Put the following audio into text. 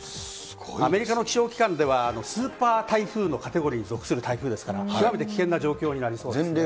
アメリカの気象機関では、スーパー台風のカテゴリーに属する台風ですから、極めて危険な状況になりそうですね。